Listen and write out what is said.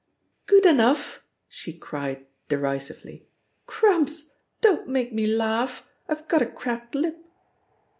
"'Good enough'!" she cried derisively. "Crumbs t don't make me laugh, I've got a cracked lip."